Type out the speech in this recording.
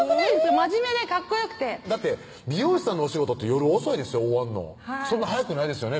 真面目でかっこよくてだって美容師さんのお仕事って夜遅いですよ終わんのそんな早くないですよね